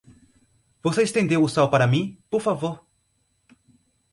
Você estendeu o sal para mim, por favor?